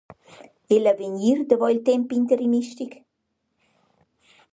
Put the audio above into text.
E l’avegnir davo il temp interimistic?